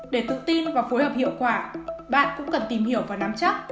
để tự tin và phối hợp hiệu quả bạn cũng cần tìm hiểu và nắm chắc